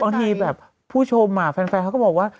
บางทีแบบผู้ชมแฟนเขาก็บอกว่า